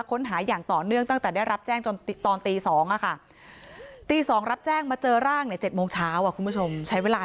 ค้นหาอย่างต่อเนื่องตั้งแต่ได้รับแจ้งจนตอนตี๒ตี๒รับแจ้งมาเจอร่างใน๗โมงเช้าคุณผู้ชมใช้เวลา